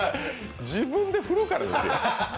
自分で振るからですよ。